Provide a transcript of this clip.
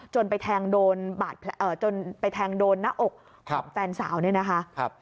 จนไปแทงโดนน้าอกแฟนสาวนี่นะคะ